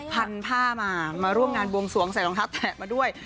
พันผ้ามามาร่วมงานบวงสวงใส่รองเท้าแตะมาด้วย